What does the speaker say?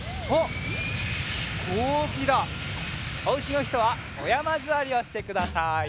おうちのひとはおやまずわりをしてください。